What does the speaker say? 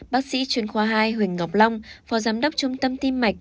bác sĩ chuyên khoa hai huỳnh ngọc long phó giám đốc trung tâm tim mạch